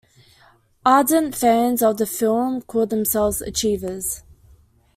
Ardent fans of the film call themselves "achievers".